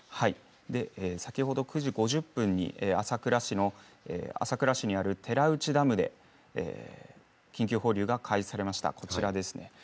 先程、９時５０分に朝倉市にある寺内ダムで緊急放流が開始されました。